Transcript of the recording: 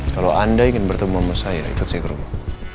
kalau anda ingin bertemu sama saya ikut saya ke rumah